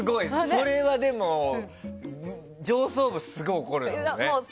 それはでも上層部すごい怒るだろうね。